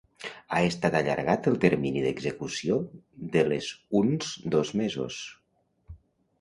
Ha estat allargat el termini d'execució de les uns dos mesos.